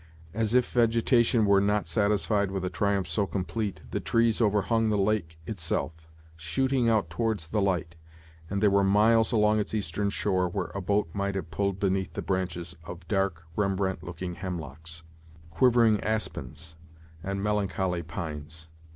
As if vegetation were not satisfied with a triumph so complete, the trees overhung the lake itself, shooting out towards the light; and there were miles along its eastern shore, where a boat might have pulled beneath the branches of dark Rembrandt looking hemlocks, "quivering aspens," and melancholy pines.